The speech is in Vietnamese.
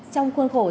trong khuôn khuôn